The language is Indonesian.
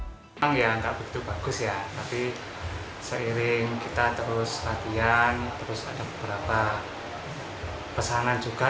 memang ya nggak begitu bagus ya tapi seiring kita terus latihan terus ada beberapa pesanan juga